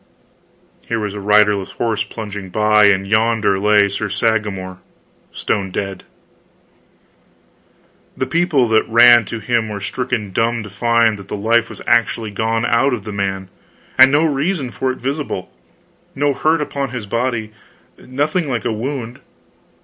Here was a riderless horse plunging by, and yonder lay Sir Sagramor, stone dead. The people that ran to him were stricken dumb to find that the life was actually gone out of the man and no reason for it visible, no hurt upon his body, nothing like a wound.